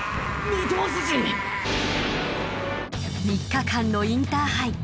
３日間のインターハイ